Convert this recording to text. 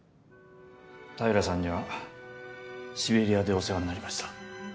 平良さんにはシベリアでお世話になりました。